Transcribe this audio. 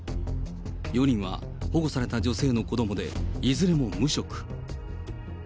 ４人は保護された女性の子どもで、いずれも無職。